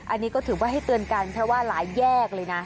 อันนี้ก็ถือว่าให้เตือนกันเพราะว่าหลายแยกเลยนะ